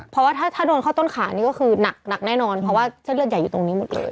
เพราะว่าถ้าโดนเข้าต้นขานี่ก็คือหนักแน่นอนเพราะว่าเส้นเลือดใหญ่อยู่ตรงนี้หมดเลย